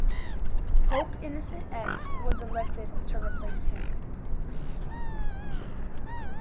Pope Innocent X was elected to replace him.